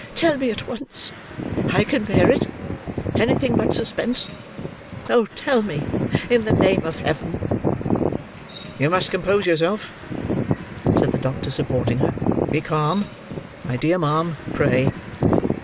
"Tell me at once! I can bear it; anything but suspense! Oh, tell me! in the name of Heaven!" "You must compose yourself," said the doctor supporting her. "Be calm, my dear ma'am, pray."